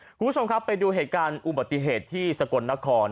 คุณผู้ชมครับไปดูเหตุการณ์อุบัติเหตุที่สกลนคร